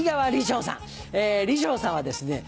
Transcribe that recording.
鯉昇さんはですね